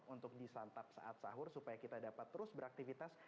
untuk disantap saat sahur supaya kita dapat terus beraktivitas